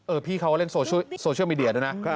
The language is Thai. พี่เขาเล่นโซเชียลมีเดียด้วยนะ